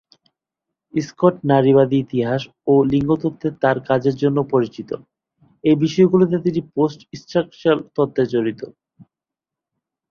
Scott নারীবাদী ইতিহাস ও লিঙ্গ তত্ত্বের তার কাজের জন্য পরিচিত, এই বিষয়গুলোতে তিনি পোস্ট স্ট্রাকচারাল তত্ত্বে জড়িত।